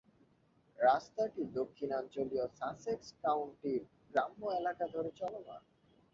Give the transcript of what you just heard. রাস্তাটি দক্ষিণাঞ্চলীয় সাসেক্স কাউন্টির গ্রাম্য এলাকা ধরে চলমান।